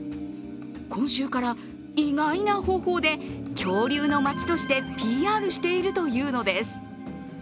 今週から意外な方法で恐竜のまちとしてＰＲしているというのです。